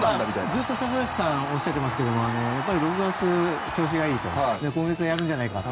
ずっと里崎さんはおっしゃっていますが６月は調子がいいから今月はやるんじゃないかと。